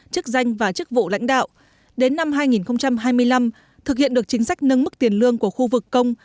chức danh và chức vụ lãnh đạo đến năm hai nghìn hai mươi năm thực hiện được chính sách nâng mức tiền lương của khu vực công